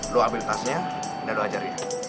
lo ambil tasnya udah lo ajarin ya